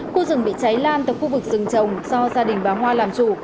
khu rừng bị cháy lan từ khu vực rừng trồng do gia đình bà hoa làm chủ